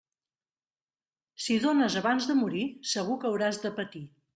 Si dónes abans de morir, segur que hauràs de patir.